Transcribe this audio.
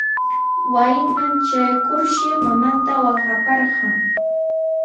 Wasinman traykurshi mamanta waqaparqan.